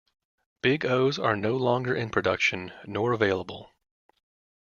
Big O's are no longer in production nor available.